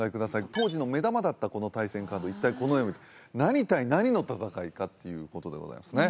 当時の目玉だったこの対戦カード一体この絵を見て何対何の戦いかっていうことでございますね